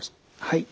はい。